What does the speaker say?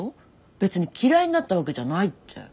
別に嫌いになったわけじゃないって。